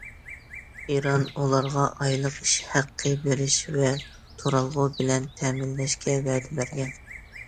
ئىران ئۇلارغا ئايلىق ئىش ھەققى بېرىش ۋە تۇرالغۇ بىلەن تەمىنلەشكە ۋەدە بەرگەن.